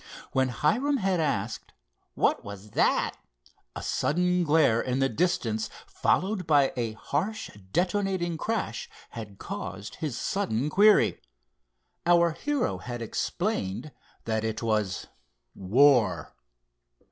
When Hiram had asked: "What was that?" a sudden glare in the distance followed by a harsh, detonating crash had caused his sudden query. Our hero had explained that it was "War."